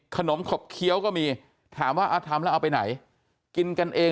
ขมขบเคี้ยวก็มีถามว่าทำแล้วเอาไปไหนกินกันเอง